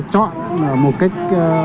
chọn một cách